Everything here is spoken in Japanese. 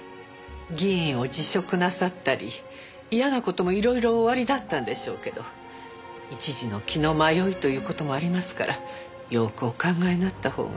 議員を辞職なさったり嫌な事もいろいろおありだったんでしょうけど一時の気の迷いという事もありますからよくお考えになったほうが。